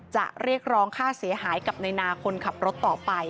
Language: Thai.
จะเรียกร้องค่าเสียหายกับในนาคนขับรถต่อไป